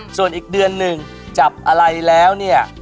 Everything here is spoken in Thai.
ส่วนอีกเดือนหนึ่งจับอะไรแล้วเนี่ย